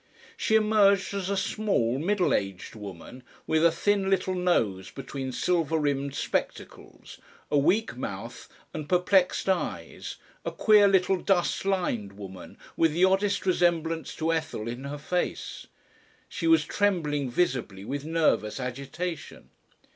She emerged as a small, middle aged woman, with a thin little nose between silver rimmed spectacles, a weak mouth and perplexed eyes, a queer little dust lined woman with the oddest resemblance to Ethel in her face. She was trembling visibly with nervous agitation.